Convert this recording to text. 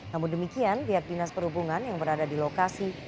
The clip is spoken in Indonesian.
namun demikian pihak dinas perhubungan yang berada di lokasi